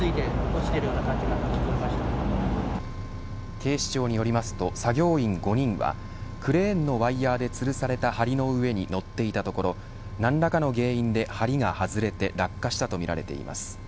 警視庁によりますと作業員５人はクレーンのワイヤーでつるされた梁の上に乗っていたところ何らかの原因で梁が外れて落下したとみられています。